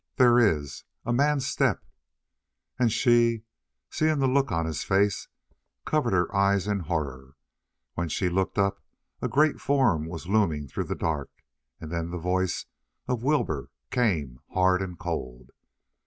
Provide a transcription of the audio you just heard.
"There is a man's step." And she, seeing the look on his face, covered her eyes in horror. When she looked up a great form was looming through the dark, and then the voice of Wilbur came, hard and cold.